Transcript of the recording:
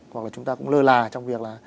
hoặc là chúng ta cũng lơ là trong việc là